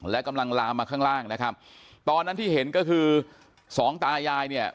และกำลังลามมาข้างล่างนะครับตอนนั้นที่เห็นก็คือสองตายายเนี่ย